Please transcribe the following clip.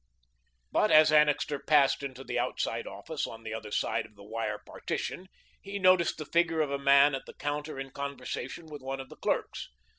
But as Annixter passed into the outside office, on the other side of the wire partition he noted the figure of a man at the counter in conversation with one of the clerks.